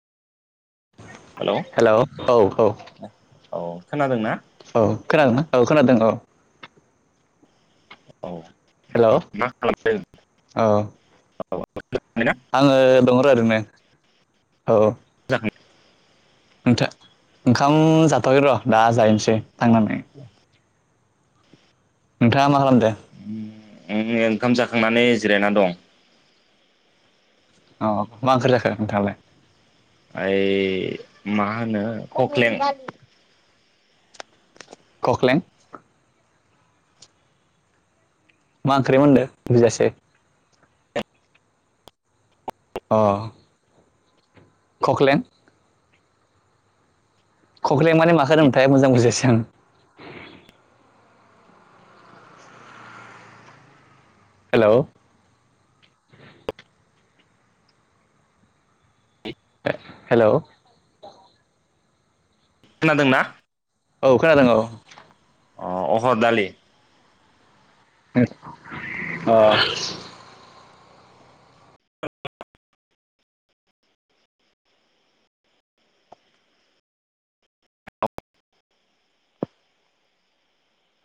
Hello औ औ। औ खोनादों ना? औ खोनादों ना? औ खोनादों औ। औ हेलौ मा खालादों? औ [unintelligible] आङो दङ' र' ओरैनो। औ जाखां नोंथा ओंखाम जाथ'आखै र' दा जाहैनिसै थांनानै। नोंथाङा मा खालामदों? ओंखाम जाखांनानै जिरायना दं। ओ मा ओंख्रि जाखो नोंथाङालाय? ओइ मा होनो खख्लें खख्लें? मा ओंख्रि होनदो बुजियासै। अ। खख्लें? खख्लें माने माखो होनोमोनथाय मोजां बुजायासै आं। हेलौ हेलौ खोनादों ना? औ खोनादों औ। अ अहर दालि अ